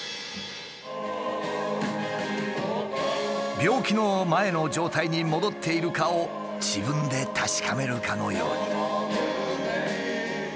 病気の前の状態に戻っているかを自分で確かめるかのように。